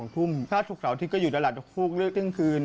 ถ้าศุกร์สาวทิพย์ก็อยู่ตลาดฮุกเลิกถึงคืน